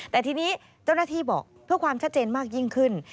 แต่ทีนี้เจ้าหน้าที่บอกเพื่อความชัดเจนมากยิ่งขึ้น